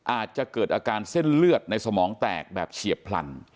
อาจจะเกิดอาการเส้นเลือดในสมองแตกแบบเฉียบพลัน